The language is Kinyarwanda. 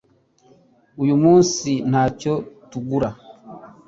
Uyu munsi ntacyo tugura